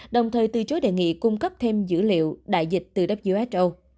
đồng thời từ chối đề nghị cung cấp thêm dữ liệu đại dịch từ who